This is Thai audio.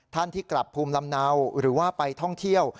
ท่านที่กลับภูมิลำเนาหรือว่าไปท่องเที่ยว